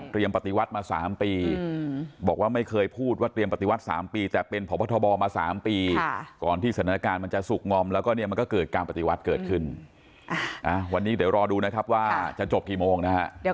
ตอบมาสิวันนั้นอย่าทำหน้าย้อยเย้ยแบบนี้ผมไม่ชอบ